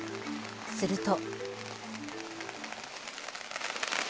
すると。